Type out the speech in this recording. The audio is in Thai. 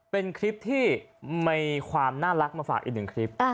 เป็นคลิปที่มีความน่ารักมาฝากอีกหนึ่งคลิป